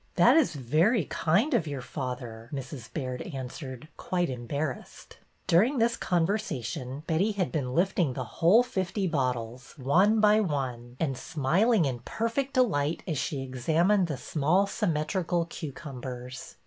'' That is very kind of your father," Mrs. Baird answered, quite embarrassed. During this conversation Betty had been lift ing the whole fifty bottles, one by one, and smil 74 BETTY BAIRD'S VENTURES ing in perfect delight as she examined the small symmetrical cucumbers.